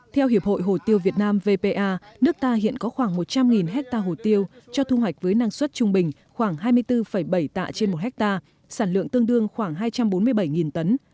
theo hiệp hội hồ tiêu việt nam vpa nước ta hiện có khoảng một trăm linh hectare hồ tiêu cho thu hoạch với năng suất trung bình khoảng hai mươi bốn bảy tạ trên một hectare sản lượng tương đương khoảng hai trăm bốn mươi bảy tấn